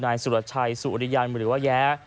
สุรชัยสุริยันหรือว่าแย้